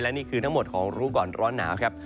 นี่คือทั้งหมดของรู้ก่อนร้อนหนาวครับ